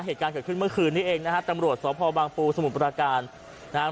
เหตุการณ์เกิดขึ้นเมื่อคืนนี้เองนะฮะตำรวจสพบางปูสมุทรปราการนะฮะ